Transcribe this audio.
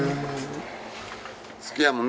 好きやもんね